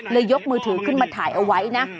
ยกมือถือขึ้นมาถ่ายเอาไว้นะ